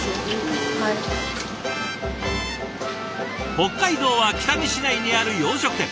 北海道は北見市内にある洋食店。